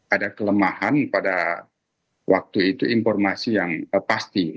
ada kelemahan pada waktu itu informasi yang pasti